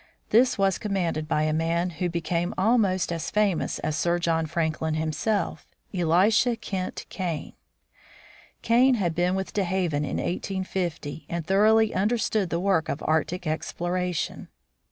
This was commanded by a man who became almost as famous as Sir John Franklin himself, Elisha Kent Kane. Kane had been with De Haven in 1850, and thoroughly understood the work of Arctic exploration.